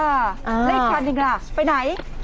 อ่าอีกคันอีกคันล่ะไปไหน